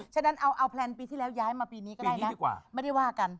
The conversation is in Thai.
ฉะนั้นเอาแพลนปีที่แล้วย้ายมาปีนี้ก็ได้นะดีกว่าไม่ได้ว่ากัน